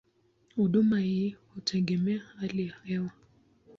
Huduma hii hutegemea hali ya hewa.